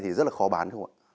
thì rất là khó bán không ạ